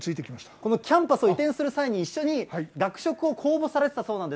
このキャンパスを移転する際に、一緒に学食を公募されてたそうなんです。